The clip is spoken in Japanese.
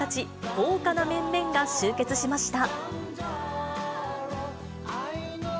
豪華な面々が集結しました。